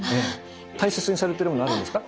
大切にされてるものあるんですか？